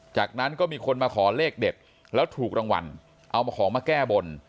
จากนั้นก็มีคนมาขอเลขเด็ดแล้วถูกรางวัลเอาของมาแก้บน